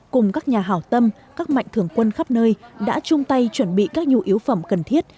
cùng các nhà hảo tâm các mạnh thường quân khắp nơi đã chung tay chuẩn bị các nhu yếu phẩm cần thiết